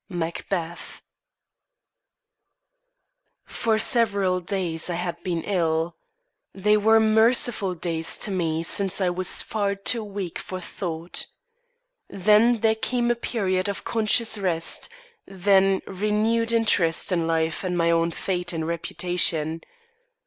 Macbeth. For several days I had been ill. They were merciful days to me since I was far too weak for thought. Then there came a period of conscious rest, then renewed interest in life and my own fate and reputation.